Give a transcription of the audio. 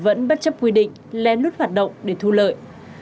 vẫn bất chấp quy định lén lút hoạt động để thu lợi